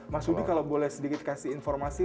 mas udi kalau boleh sedikit kasih informasi